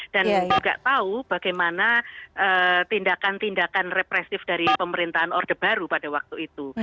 dan juga tahu bagaimana tindakan tindakan represif dari pemerintahan ordebaru pada waktu itu